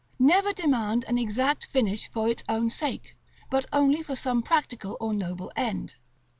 Never demand an exact finish for its own sake, but only for some practical or noble end.